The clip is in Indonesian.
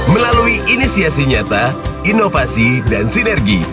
melalui inisiasi nyata inovasi dan sinergi